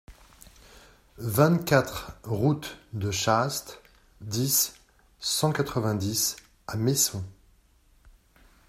vingt-quatre route de Chaast, dix, cent quatre-vingt-dix à Messon